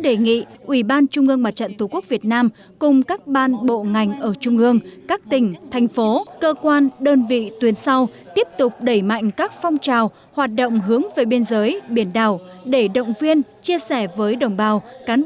đề nghị quyết đại hội đảng bộ quân đội lần thứ một mươi hai của đảng nghị quyết đại hội đảng bộ quân đội lần thứ một mươi hai của đảng